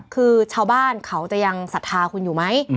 คือชาวบ้านเขาจะยังศรัทธาคุณอยู่ไหม